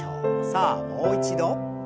さあもう一度。